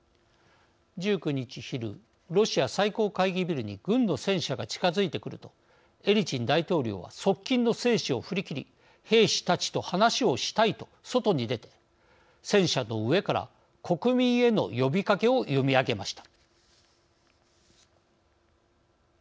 １９日昼ロシア最高会議ビルに軍の戦車が近づいてくるとエリツィン大統領は側近の制止を振り切り兵士たちと話をしたいと外に出て戦車の上から国民への呼びかけを読み上げました。